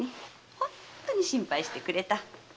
本当に心配してくれた。